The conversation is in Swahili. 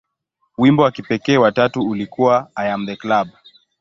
Wimbo wa kipekee wa tatu ulikuwa "I Am The Club".